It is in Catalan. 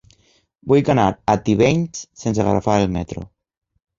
Vull anar a Tivenys sense agafar el metro.